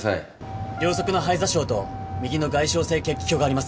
両側の肺挫傷と右の外傷性血気胸があります。